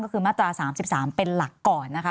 ก็คือมาตรา๓๓เป็นหลักก่อนนะคะ